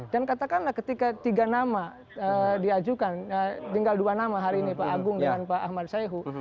dan katakanlah ketika tiga nama diajukan tinggal dua nama hari ini pak agung dan pak ahmad zaihu